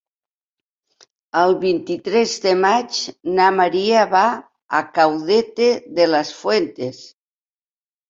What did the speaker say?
El vint-i-tres de maig na Maria va a Caudete de las Fuentes.